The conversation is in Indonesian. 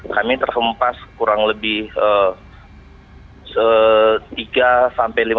kami terhempas kurang lebih tiga sampai lima belas